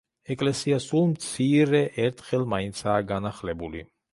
ეკლესია სულ მცირე ერთხელ მაინცაა განახლებული.